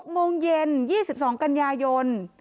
๖โมงเย็น๒๒กันยายน